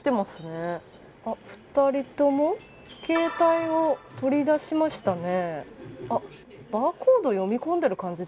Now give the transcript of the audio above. ２人とも携帯を取り出しましたね。